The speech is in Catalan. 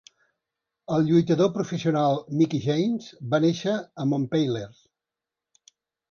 El lluitador professional Mickie James va néixer a Montpeiler.